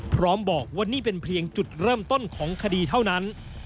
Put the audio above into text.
พร้อมบอกว่านี่เป็นเพียงจุดเริ่มต้นของคดีเท่านั้น